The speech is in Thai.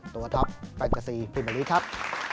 ตัวท็อปแปลกกับสี่พี่หมายลิฟต์ครับ